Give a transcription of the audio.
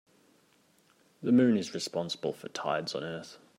The moon is responsible for tides on earth.